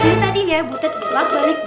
ini tadinya butet bolak balik toilet